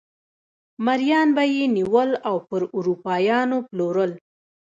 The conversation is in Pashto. مریان به یې نیول او پر اروپایانو پلورل.